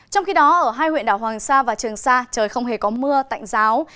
trong khi đó ở hai huyện đảo hoàng sa và trường sa trời không hề có mưa tạnh giáo